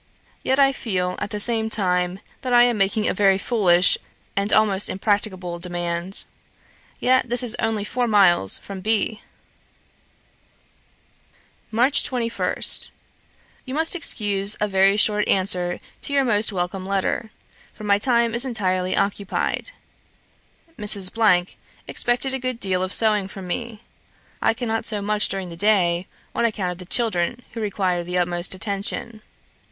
Yet I feel, at the same time, that I am making a very foolish and almost impracticable demand; yet this is only four miles from B !""March 21st. "You must excuse a very short answer to your most welcome letter; for my time is entirely occupied. Mrs. expected a good deal of sewing from me. I cannot sew much during the day, on account of the children, who require the utmost attention.